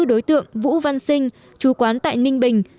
đối tượng vũ văn sinh chú quán tại ninh bình